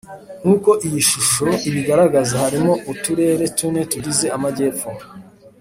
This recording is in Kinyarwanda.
Nk uko iyi shusho ibigaragaza harimo uturere tune tugize amajyepfo